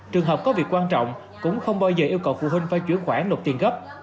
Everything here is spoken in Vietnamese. trường hợp có việc quan trọng cũng không bao giờ yêu cầu phụ huynh phải chuyển khoản nộp tiền gấp